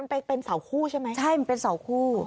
ไปเป็นเสาคู่ใช่ไหมใช่มันเป็นเสาคู่